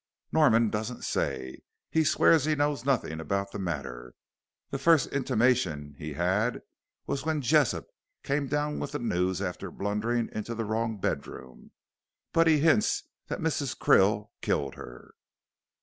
"Norman doesn't say. He swears he knows nothing about the matter. The first intimation he had was when Jessop came down with the news after blundering into the wrong bedroom. But he hints that Mrs. Krill killed her."